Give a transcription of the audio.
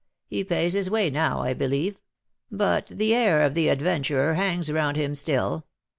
He pays his way now, I believe ; but the air of the adventurer hangs round him still.